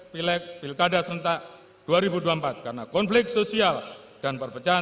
pileg pilkada serentak dua ribu dua puluh empat karena konflik sosial dan perpecahan